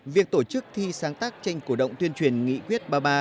việc tổ chức thi sáng tác tranh cổ động tuyên truyền nghị quyết ba mươi ba